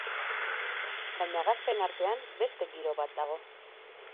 Baina gazteen artean beste giro bat dago.